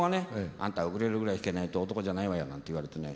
「あんたウクレレぐらい弾けないと男じゃないわよ」なんて言われてね